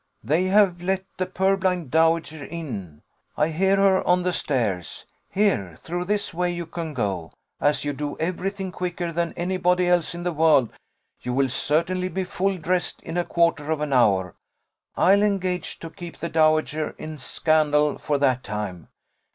"They have let the purblind dowager in; I hear her on the stairs. Here through this way you can go: as you do every thing quicker than any body else in the world, you will certainly be full dressed in a quarter of an hour; I'll engage to keep the dowager in scandal for that time.